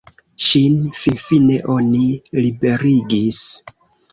Ŝin finfine oni liberigis.